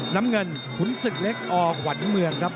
น้ำเงินขุนศึกเล็กอขวัญเมืองครับ